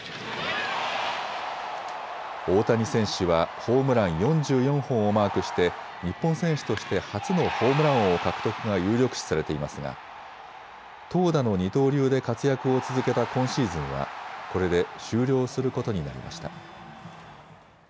大谷選手はホームラン４４本をマークして日本選手として初のホームラン王獲得が有力視されていますが投打の二刀流で活躍を続けた今シーズンはこれで終了することになりました。